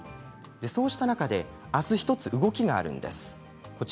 そうした中で、あす１つ動きがあるんです。